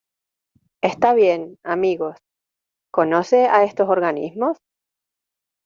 Está bien. Amigos .¿ conoce a estos organismos?